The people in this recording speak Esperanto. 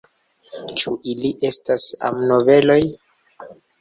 Ĉu ili estas amnoveloj?